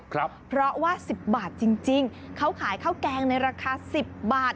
เพราะว่าสิบบาทจริงจริงเขาขายข้าวแกงในราคาสิบบาท